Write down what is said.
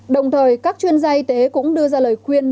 đồng thời các chuyên gia y tế cũng đưa ra lời khuyên